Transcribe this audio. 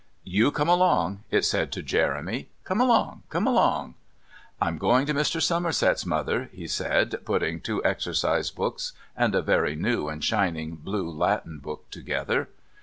"You come along," it said to Jeremy. "Come along! Come along!" "I'm going to Mr. Somerset's, Mother," he said, putting two exercise books and a very new and shining blue Latin book together.